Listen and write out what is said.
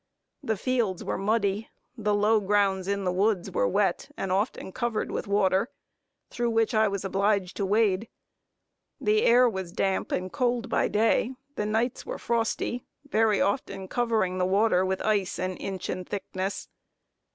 The fields were muddy, the low grounds in the woods were wet, and often covered with water, through which I was obliged to wade the air was damp and cold by day, the nights were frosty, very often covering the water with ice an inch in thickness.